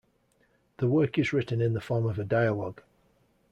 The work is written in the form of a dialogue.